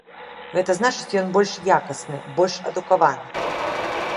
Гэта значыць ён больш якасны, больш адукаваны.